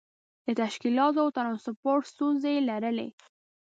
د تشکیلاتو او ترانسپورت ستونزې یې لرلې.